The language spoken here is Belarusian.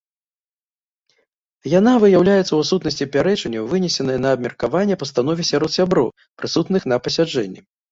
Яна выяўляецца ў адсутнасці пярэчанняў вынесенай на абмеркаванне пастанове сярод сяброў, прысутных на пасяджэнні.